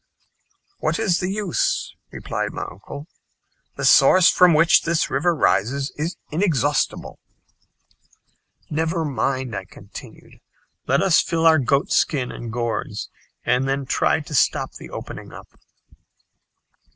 "What is the use," replied my uncle, "the source from which this river rises is inexhaustible." "Never mind," I continued, "let us fill our goatskin and gourds, and then try to stop the opening up."